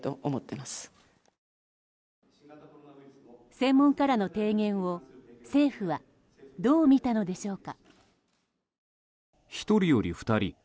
専門家らの提言を政府はどうみたのでしょうか。